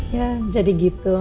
ya jadi gitu